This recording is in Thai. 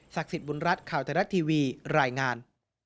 สิทธิ์บุญรัฐข่าวไทยรัฐทีวีรายงาน